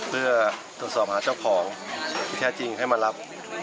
เพื่อตรวจสอบหาเจ้าของที่แท้จริงให้มารับ